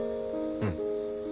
うん。